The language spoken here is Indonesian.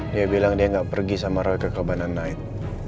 dia bilang dia gak pergi sama roy ke kebanaan naik